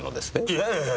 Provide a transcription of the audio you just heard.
いやいや。